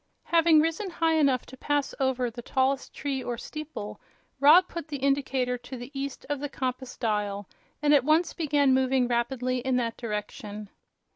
Having risen high enough to pass over the tallest tree or steeple, Rob put the indicator to the east of the compass dial and at once began moving rapidly in that direction.